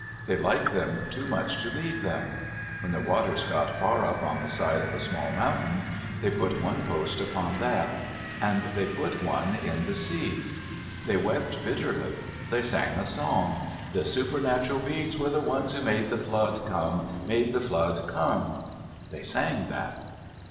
They liked them too much to leave them. When the waters got far up on the side of a small mountain, they put one post upon that. And they put one in the sea. They wept bitterly. They sang a song: "The supernatural beings were the ones who made the flood come—made the flood come." They sang that.